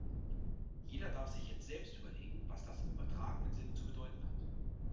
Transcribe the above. Jeder darf sich jetzt selbst überlegen, was das im übertragenen Sinne zu bedeuten hat.